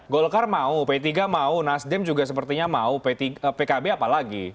golkar mau p tiga mau nasdem juga sepertinya mau pkb apa lagi